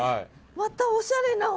またおしゃれな。